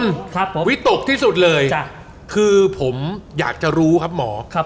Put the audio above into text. ครับผมวิตกที่สุดเลยจ้ะคือผมอยากจะรู้ครับหมอครับ